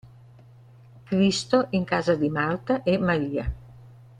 Cristo in casa di Marta e Maria